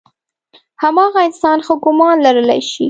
هماغه انسان ښه ګمان لرلی شي.